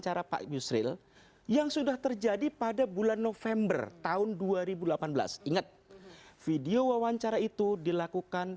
ada apa yang diperlukan